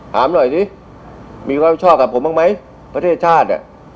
ถามหน่อยสิมีความชอบกับผมบ้างไหมประเทศชาติ